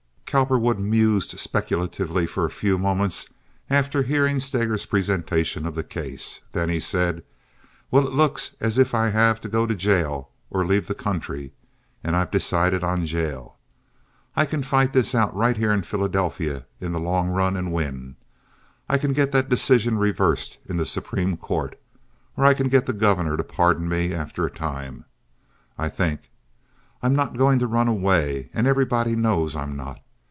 Cowperwood mused speculatively for a few moments after hearing Steger's presentation of the case. Then he said: "Well, it looks as if I have to go to jail or leave the country, and I've decided on jail. I can fight this out right here in Philadelphia in the long run and win. I can get that decision reversed in the Supreme Court, or I can get the Governor to pardon me after a time, I think. I'm not going to run away, and everybody knows I'm not.